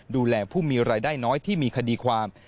ดูแลผู้มีรายได้น้อยที่มีคดีความ